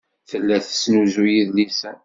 Tella tesnuzuy idlisen.